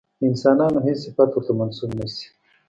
د انسانانو هېڅ صفت ورته منسوب نه شي.